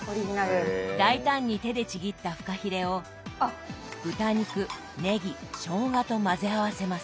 大胆に手でちぎったフカヒレを豚肉ねぎしょうがと混ぜ合わせます。